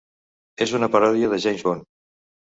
És una paròdia de James Bond.